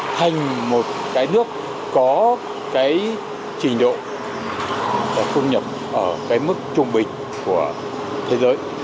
thành một cái nước có cái trình độ phung nhập ở cái mức trung bình của thế giới